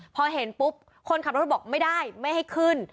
พอเห็นปุ๊บคนขับรถบอกไม่ได้ไม่ให้ขึ้น